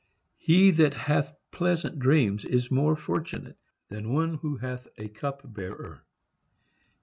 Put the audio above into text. HE that hath pleasant dreams is more fortunate than one who hath a cup bearer.